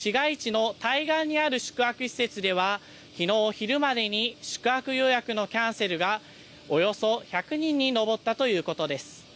私がいる鹿児島市の市街地の対岸にある宿泊施設では、きのう昼までに、宿泊予約のキャンセルがおよそ１００人に上ったということです。